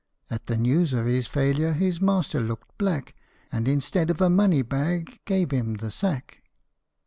At the news of his failure his master looked black, And instead of a money bag gave him the sack.